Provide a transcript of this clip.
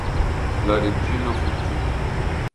La regina fuggì.